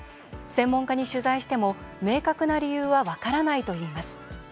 専門家に取材しても明確な理由は分からないといいます。